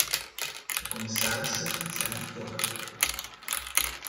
De commissarissen zijn vertrokken.